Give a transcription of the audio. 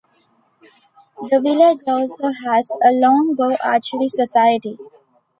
The village also has a longbow archery society.